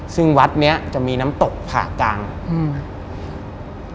ซึ่งวัดเนี้ยจะมีน้ำตกผ่ากลางอืม